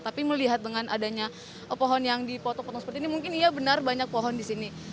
tapi melihat dengan adanya pohon yang dipotong potong seperti ini mungkin iya benar banyak pohon di sini